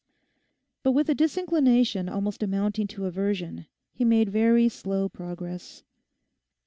But with a disinclination almost amounting to aversion he made very slow progress.